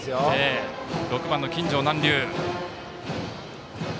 ６番の金城南隆。